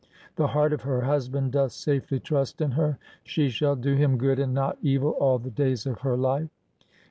The heart of her husband doth safely trust in her. ... She shall do him good and not evil all the days of her life.